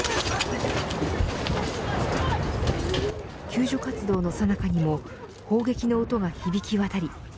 救助活動のさなかにも砲撃の音が響きわたり